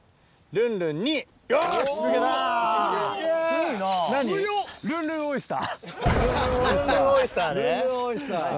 ルンルンオイスター。